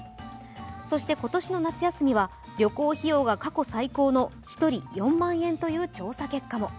そして今年の夏休みは旅行費用が過去最高の１人４万円という調査結果も。